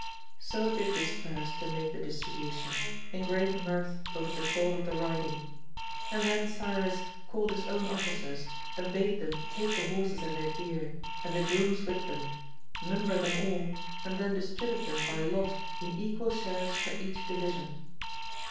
So they dispersed to make the distribution, in great mirth over the thought of the riding; and then Cyrus called his own officers and bade them take the horses and their gear, and the grooms with them, number them all, and then distribute them by lot in equal shares for each division.